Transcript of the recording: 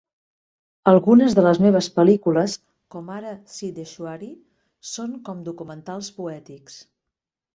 Algunes de les meves pel·lícules, com ara "Siddheshwari", són com documentals poètics.